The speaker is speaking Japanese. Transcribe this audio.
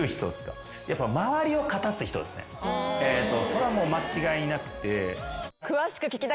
それは間違いなくて。